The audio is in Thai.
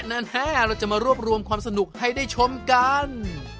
เราจะมารวบรวมความสนุกให้ได้ชมกัน